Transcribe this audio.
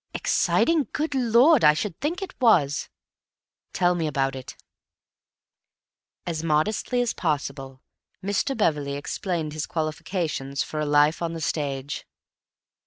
"Exciting? Good Lord, I should think it was." "Tell me about it." As modestly as possible, Mr. Beverley explained his qualifications for a life on the stage.